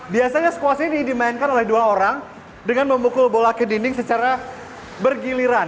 biasanya squast ini dimainkan oleh dua orang dengan memukul bola ke dinding secara bergiliran